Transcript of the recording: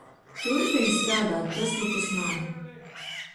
Turpini strādāt. Tas nekas nav.